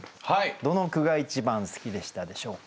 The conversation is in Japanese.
どの句が一番好きでしたでしょうか。